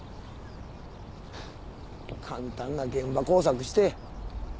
簡単な現場工作して。